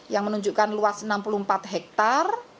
yang menunjukkan luas enam puluh empat hektare